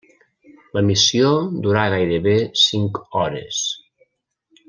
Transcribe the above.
La missió durà gairebé cinc hores.